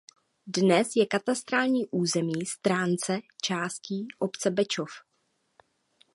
Dnes je katastrální území Stránce částí obce Bečov.